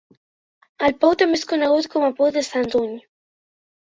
El pou també és conegut com a Pou de Sant Uny.